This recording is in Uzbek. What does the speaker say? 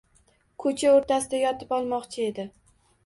Ko‘cha o‘rtasiga yotib olmoqchi edi